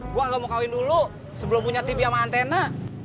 gue gak mau kawin dulu sebelum punya tim sama antena